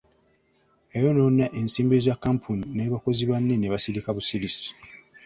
Yayonoona ensimbi za kkampuni ne bakozi banne ne basirika busirisi.